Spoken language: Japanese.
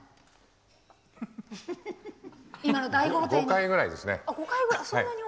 ５回ぐらいですね。